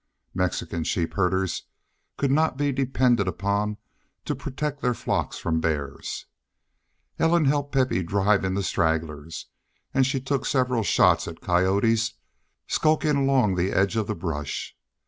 Mexican sheep herders could not be depended upon to protect their flocks from bears. Ellen helped Pepe drive in the stragglers, and she took several shots at coyotes skulking along the edge of the brush.